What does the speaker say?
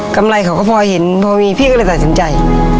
ไรเขาก็พอเห็นพอมีพี่ก็เลยตัดสินใจ